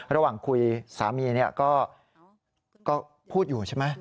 ระหว่างคุยสามีก็พูดอยู่ใช่ไหม